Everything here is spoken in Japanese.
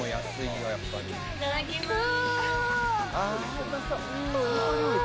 いただきます。